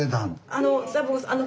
あの。